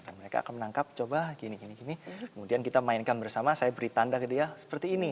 mereka akan menangkap coba gini gini kemudian kita mainkan bersama saya beri tanda ke dia seperti ini